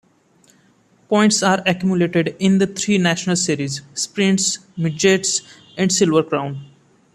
Points are accumulated in the three national series: sprints, midgets, and silver crown.